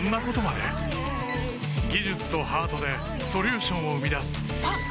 技術とハートでソリューションを生み出すあっ！